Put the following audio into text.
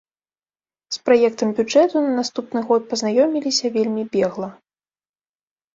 З праектам бюджэту на наступны год пазнаёмілася вельмі бегла.